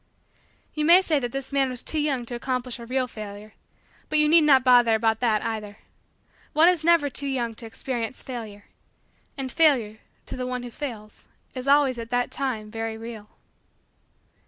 You may say that this man was too young to accomplish a real Failure. But you need not bother about that, either. One is never too young to experience Failure. And Failure, to the one who fails, is always, at the time, very real.